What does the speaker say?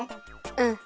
うん。